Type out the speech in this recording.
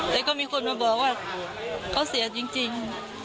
แต่ก็มีคนมาบอกว่าเขาเสียจริง